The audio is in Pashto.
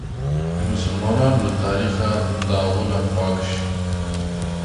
د مسلمانانو له تاریخه داغونه پاک شي.